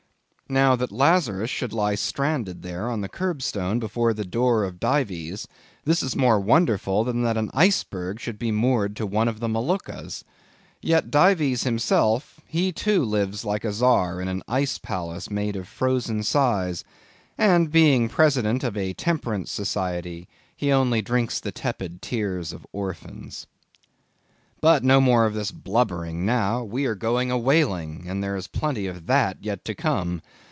Now, that Lazarus should lie stranded there on the curbstone before the door of Dives, this is more wonderful than that an iceberg should be moored to one of the Moluccas. Yet Dives himself, he too lives like a Czar in an ice palace made of frozen sighs, and being a president of a temperance society, he only drinks the tepid tears of orphans. But no more of this blubbering now, we are going a whaling, and there is plenty of that yet to come.